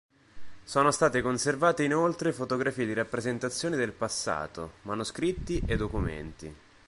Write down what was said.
Sono state conservate inoltre fotografie di rappresentazioni del passato, manoscritti e documenti.